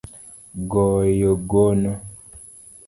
Goyo gono